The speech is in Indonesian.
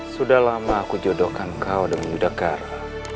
sudah lama aku jodohkan kau dengan yudhakara